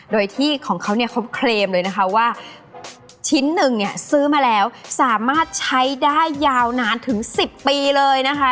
โดยที่ของเขาเนี่ยเขาเคลมเลยนะคะว่าชิ้นหนึ่งเนี่ยซื้อมาแล้วสามารถใช้ได้ยาวนานถึง๑๐ปีเลยนะคะ